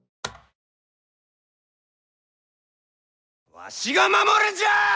わしが守るんじゃあ！